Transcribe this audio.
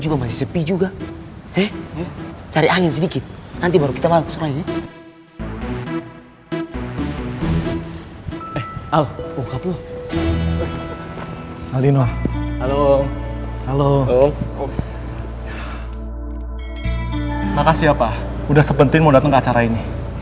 bapak jelaskan secara transparan